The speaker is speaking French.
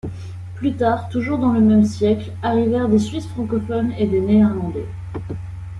Plus tard, toujours dans le même siècle, arrivèrent des Suisses francophones et des Néerlandais.